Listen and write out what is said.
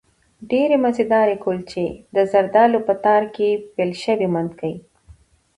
ډېرې مزهدارې کلچې، د زردالو په تار کې پېل شوې مندکې